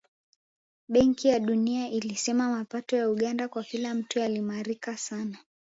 Benki ya Dunia ilisema mapato ya Uganda kwa kila mtu yaliimarika sana